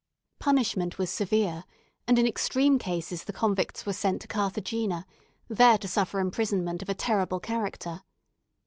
Punishment was severe; and in extreme cases the convicts were sent to Carthagena, there to suffer imprisonment of a terrible character.